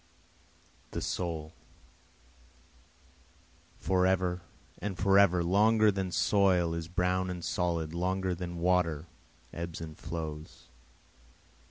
6 The soul, Forever and forever longer than soil is brown and solid longer than water ebbs and flows.